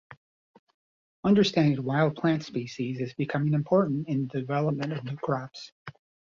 Understanding wild plant species is becoming important in the development of new crops.